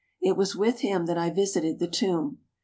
It was with him that I visited the tomb.